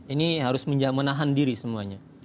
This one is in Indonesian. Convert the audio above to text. ini harus menahan diri semuanya